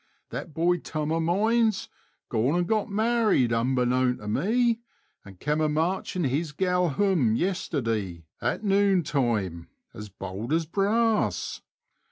Thet boy Turn o' mine's gorn and got married unbeknown to me, and kem a marching his gal home yesterday at nune time as bold as brass.